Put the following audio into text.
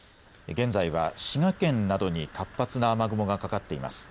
現在は滋賀県などに活発な雨雲がかかっています。